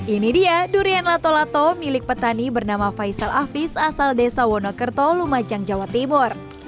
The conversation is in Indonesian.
ini dia durian lato lato milik petani bernama faisal afiz asal desa wonokerto lumajang jawa timur